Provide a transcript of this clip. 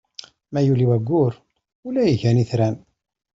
Ma yuli waggur, ula igan itran.